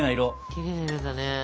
きれいな色だね！